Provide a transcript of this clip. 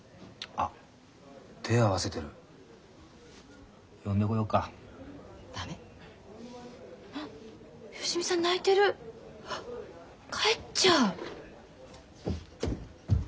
あっ帰っちゃう。